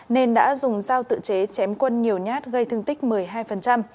nên đã dùng dao tự chế chém quân nhiều nhát gây thương tích một mươi hai